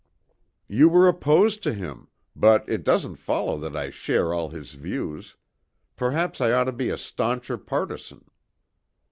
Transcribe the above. "You were opposed to him; but it doesn't follow that I share all his views. Perhaps I ought to be a stauncher partisan."